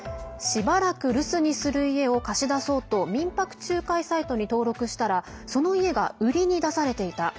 しばらく留守にする家を貸し出そうと民泊仲介サイトに登録したらその家が売りに出されていた。